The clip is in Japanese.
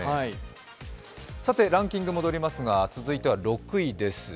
ランキングに戻りますが次は６位です。